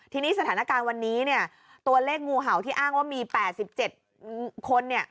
ทีนี้สถานการณ์วันนี้เนี่ยตัวเลขงูเห่าที่อ้างว่ามี๘๗คนเนี่ย